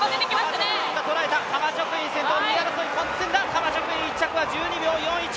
カマチョクイン１着は１２秒４１。